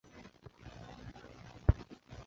东汉永初元年犍为郡移治武阳县。